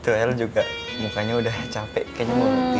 tuh el juga mukanya udah capek kayaknya mau tidur ya